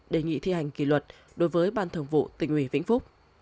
đề nghị thi hành kỷ luật đối với ban thường vụ tỉnh ủy vĩnh phúc